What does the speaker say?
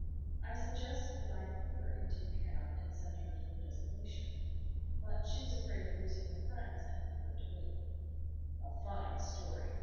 I suggested that I should put her into a cab and send her to her destination. But she was afraid of losing her friends, and preferred to wait." "A fine story!